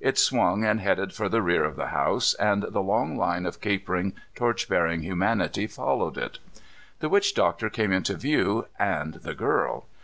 It swung and headed for the rear of the house, and the long line of capering, torch bearing humanity followed it. The witch doctor came into view, and the girl.